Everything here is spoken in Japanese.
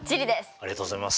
ありがとうございます。